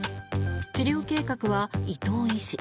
治療計画は伊藤医師。